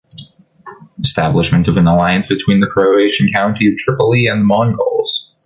Establishment of an alliance between the Croatian county of Tripoli and the Mongols.